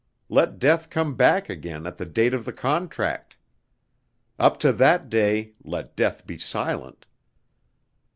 Let death come back again at the date of the contract! Up to that day let death be silent!